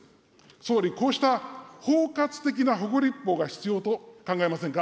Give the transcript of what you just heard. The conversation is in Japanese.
総理、こうした包括的な保護立法が必要と考えませんか。